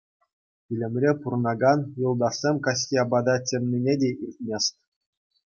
Пӳлӗмре пурӑнакан юлташӗсем каҫхи апата чӗннине те илтмест.